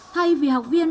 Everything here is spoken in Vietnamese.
thay vì học viên